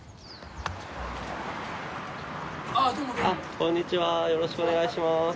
こんにちはよろしくお願いします。